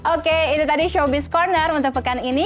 oke itu tadi showbiz corner untuk pekan ini